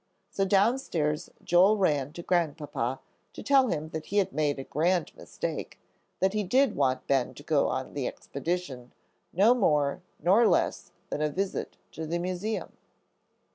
So downstairs Joel ran to Grandpapa, to tell him that he had made a grand mistake; that he did want Ben to go on the expedition, no more nor less than a visit to the Museum.